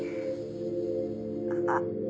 あっ。